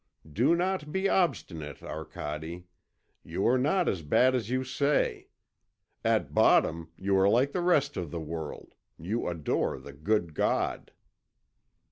Do not be obstinate, Arcade. You are not as bad as you say. At bottom you are like the rest of the world, you adore the good God."